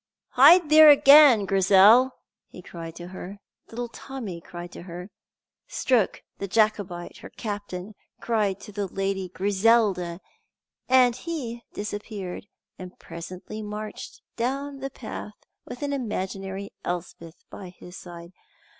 "Hide there again, Grizel," he cried to her, little Tommy cried to her, Stroke the Jacobite, her captain, cried to the Lady Griselda; and he disappeared, and presently marched down the path with an imaginary Elspeth by his side.